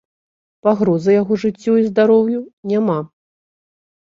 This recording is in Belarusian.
Пагрозы яго жыццю і здароўю няма.